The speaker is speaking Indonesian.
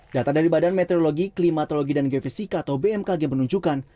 data dari badan meteorologi klimatologi dan geofisika atau bmkg menunjukkan